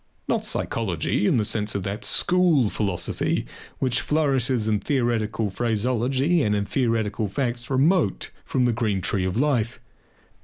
Not psychology in the sense of that school philosophy which flourishes in theoretical phraseology and in theoretical facts remote from the green tree of life.